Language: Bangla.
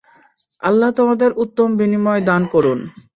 আল্লাহ তোমাদের উত্তম বিনিময় দান করুন।